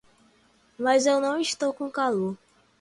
Mas eu não estou com calor.